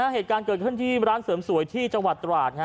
เหตุการณ์เกิดขึ้นที่ร้านเสริมสวยที่จังหวัดตราด